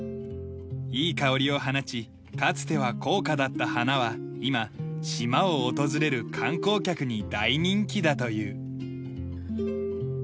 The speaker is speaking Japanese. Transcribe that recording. いい香りを放ちかつては高価だった花は今島を訪れる観光客に大人気だという。